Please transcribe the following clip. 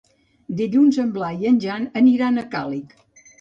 Dilluns en Blai i en Jan aniran a Càlig.